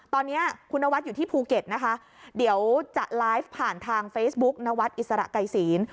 ตอนนี้คุณนวัดอยู่ที่ภูเก็ตนะคะเดี๋ยวจะไลฟ์ผ่านทางเฟซบุ๊กนวัดอิสระไกรศีล